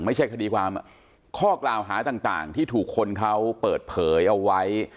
ไม่ใช่คดีความข้อกล่าวหาต่างที่ถูกคนเขาเปิดเผยเอาไว้